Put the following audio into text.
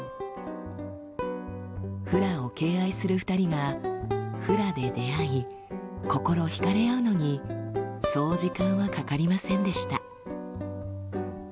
フラを敬愛する２人がフラで出会い心惹かれ合うのにそう時間はかかりませんでした。